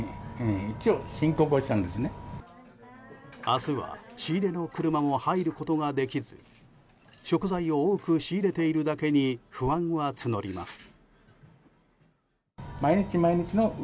明日は仕入れの車も入ることができず食材を多く仕入れているだけに不安は募ります。